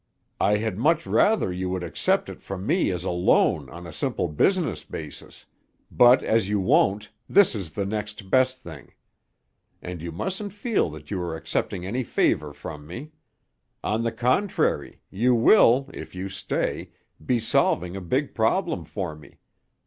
"I had much rather you would accept it from me as a loan on a simple business basis; but as you won't, this is the next best thing. And you mustn't feel that you are accepting any favour from me. On the contrary, you will, if you stay, be solving a big problem for me.